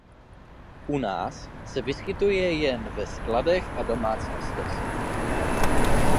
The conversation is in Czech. U nás se vyskytuje jen ve skladech a domácnostech.